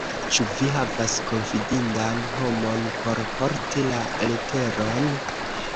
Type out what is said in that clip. Ĉu vi havas konfidindan homon por porti la leteron?